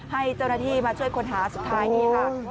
ให้เจ้าหน้าที่มาช่วยค้นหาสุดท้ายนี่ค่ะ